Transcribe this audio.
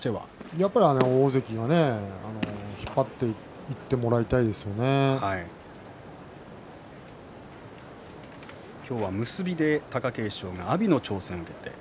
やっぱり大関が引っ張っていって今日は結びで貴景勝が阿炎の挑戦を受けます。